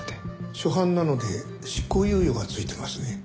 初犯なので執行猶予がついてますね。